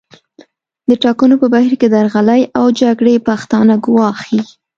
د ټاکنو په بهیر کې درغلۍ او جګړې پښتانه ګواښي